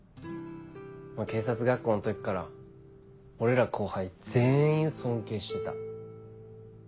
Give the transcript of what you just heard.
警察学校の時から俺ら後輩全員尊敬してた。